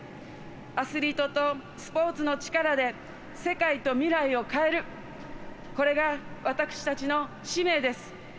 アスリートとスポーツの力で世界と未来を変えるこれが私たちの使命です。